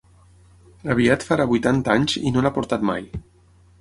Aviat farà vuitanta anys i no n'ha portat mai.